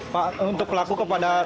pak untuk pelaku kepada